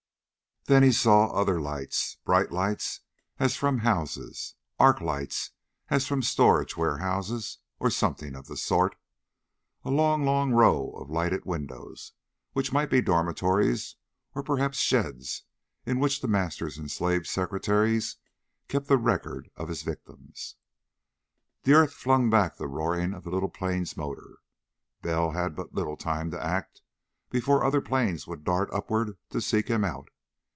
Then he saw other lights. Bright lights, as from houses. Arc lights as from storage warehouses, or something of the sort. A long, long row of lighted windows, which might be dormitories or perhaps sheds in which The Master's enslaved secretaries kept the record of his victims. The earth flung back the roaring of the little plane's motor. Bell had but little time to act before other planes would dart upward to seek him out.